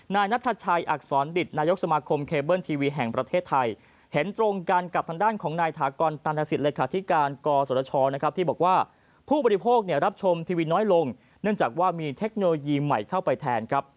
นายนัทชัยอักษรดิตนายกสมาคมเคเบิ้ลทีวีแห่งประเทศไทยเห็นตรงกันกับทางด้านของนายถากรตันทศิษย์เลขาธิการกศชนะครับที่บอกว่าผู้บริโภครับชมทีวีน้อยลงเนื่องจากว่ามีเทคโนโลยีใหม่เข้าไปแทนครับ